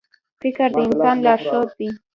• فکر د انسان لارښود دی.